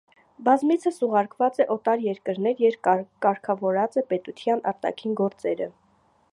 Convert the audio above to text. Բազմիցս ուղարկուած է օտար երկիրներ ու կարգաւորած է պետութեան արտաքին գործերը։